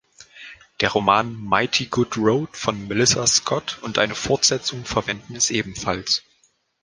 Der Roman „Mighty Good Road“ von Melissa Scott und eine Fortsetzung verwenden es ebenfalls.